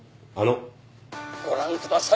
ご覧ください。